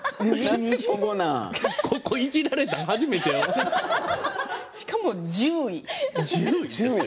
ここをいじられたの初めてしかも１０位。